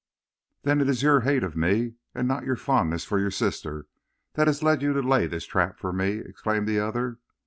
"'Then it is your hate of me, and not your fondness for your sister, that has led you to lay this trap for me?' exclaimed the other.